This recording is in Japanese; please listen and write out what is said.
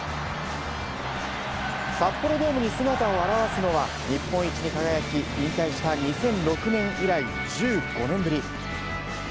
札幌ドームに姿を現すのは日本一に輝き引退した２００６年以来１５年ぶり。